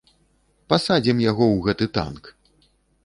Пасадзім яго ў гэты танк!